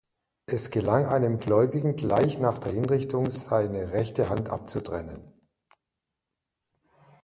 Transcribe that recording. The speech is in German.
Es gelang einem Gläubigen gleich nach der Hinrichtung seine rechte Hand abzutrennen.